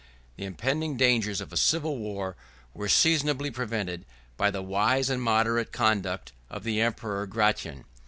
The impending dangers of a civil war were seasonably prevented by the wise and moderate conduct of the emperor Gratian.